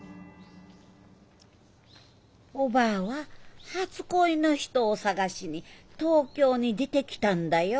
おばぁは初恋の人を捜しに東京に出てきたんだよ。